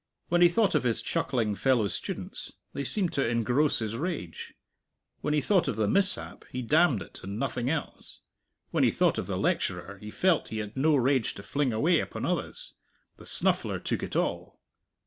When he thought of his chuckling fellow students, they seemed to engross his rage; when he thought of the mishap, he damned it and nothing else; when he thought of the lecturer, he felt he had no rage to fling away upon others the Snuffler took it all.